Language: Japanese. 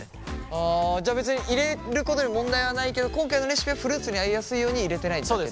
はあじゃあ別に入れることに問題はないけど今回のレシピはフルーツに合いやすいように入れてないだけ。